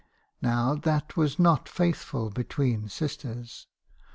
Now, that was not faithful between sisters.